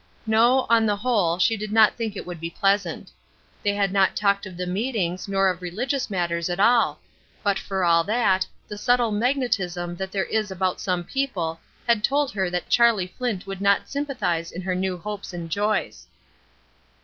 No, on the whole, she did not think it would be pleasant. They had not talked of the meetings nor of religious matters at all; but for all that the subtle magnetism that there is about some people had told her that Charlie Flint would not sympathize in her new hopes and joys.